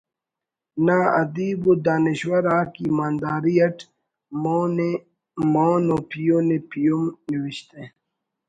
نا ادیب و دانشور آک ایمانداری اٹ مؤن ءِ مؤن و پیہن ءِ پیہن نوشتہ